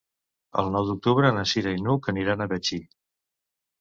El nou d'octubre na Cira i n'Hug aniran a Betxí.